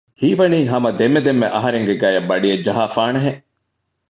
ހީވަނީ ހަމަ ދެންމެ ދެންމެ އަހަރެންގެ ގަޔަށް ބަޑިއެއް ޖަހާފާނެހެން